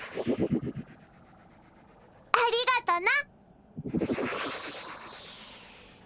ありがとな。